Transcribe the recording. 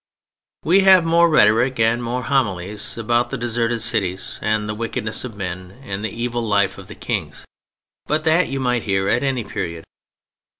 We have more rhetoric and more homilies about the "deserted cities and the wickedness of men and the evil life of the Kings;" but that you might hear at any period.